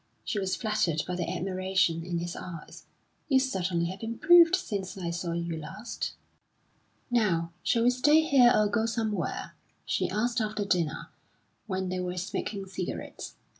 She was flattered by the admiration in his eyes. "You certainly have improved since I saw you last." "Now, shall we stay here or go somewhere?" she asked after dinner, when they were smoking cigarettes.